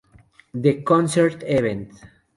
The Concert Event".